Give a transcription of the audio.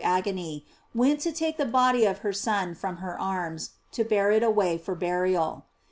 587 agony, went to take the body of her Son from her arms, to bear it away for burial.